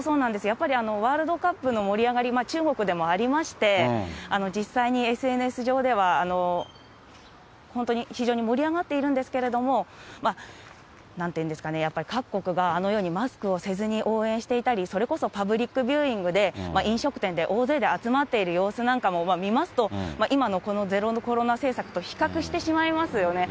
やっぱり、ワールドカップの盛り上がり、中国でもありまして、実際にＳＮＳ上では、本当に非常に盛り上がっているんですけれども、なんていうんですかね、各国が、あのようにマスクをせずに応援していたり、それこそパブリックビューイングで飲食店で大勢で集まっている様子なんかも見ますと、今のこのゼロコロナ政策と比較してしまいますよね。